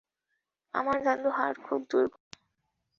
আমার দাদুর হার্টে খুব দুর্বল।